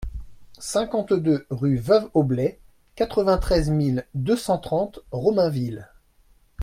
cinquante-deux rue Veuve Aublet, quatre-vingt-treize mille deux cent trente Romainville